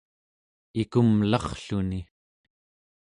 ikumlarrluni